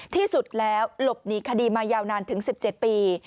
ที่สุดแล้วหลบหนีคดีมายาวนานถึง๑๗ปี